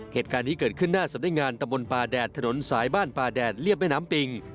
เหตุการณ์นี้เกิดขึ้นหน้าสำนักงานตะบนป่าแดดถนนสายบ้านป่าแดดเรียบแม่น้ำปิง